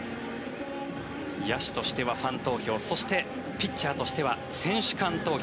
野手としてはファン投票そしてピッチャーとしては選手間投票。